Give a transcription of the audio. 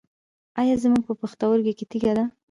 ایا زما په پښتورګي کې تیږه ده؟